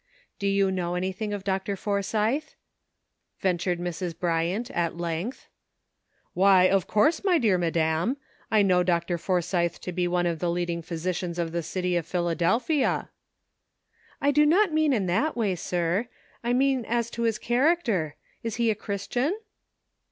'' Do you know anything of Dr. Forsythe?" ventured Mrs. Bryant, at length. ''Why, of course, my dear madam; I know Dr. Forsythe to be one of the leading physi cians of the city of Philadelphia." '' I do not mean in that way, sir; I mean as to his character. Is he a Christian?"